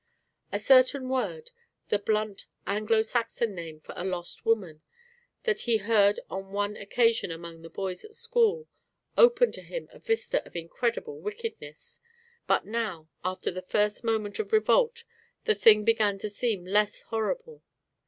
A certain word, the blunt Anglo Saxon name for a lost woman, that he heard on one occasion among the boys at school, opened to him a vista of incredible wickedness, but now after the first moment of revolt the thing began to seem less horrible.